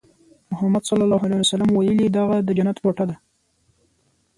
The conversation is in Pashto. محمد ص ویلي دغه د جنت ټوټه ده.